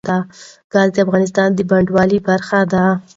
ګاز د افغانستان د بڼوالۍ برخه ده.